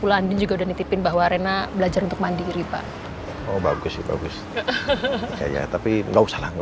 nanti juga dan tipin bahwa rena belajar untuk mandi riba oh bagus bagus tapi nggak usah nggak